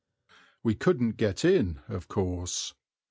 We couldn't get in, of course.